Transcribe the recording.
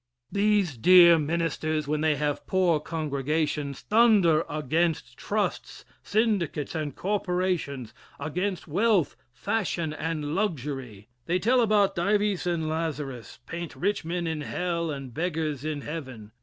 These dear ministers, when they have poor congregations, thunder against trusts, syndicates, and corporations against wealth, fashion and luxury. They tell about Dives and Lazarus, paint rich men in hell and beggars in heaven.